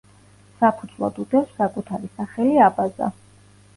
საფუძვლად უდევს საკუთარი სახელი „აბაზა“.